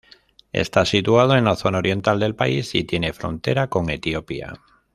Está situado en la zona oriental del país y tiene frontera con Etiopía.